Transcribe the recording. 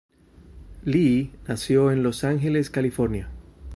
Lee nació en Los Ángeles, California.